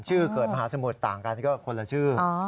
เกิดมหาสมุทรต่างกันก็คนละชื่อ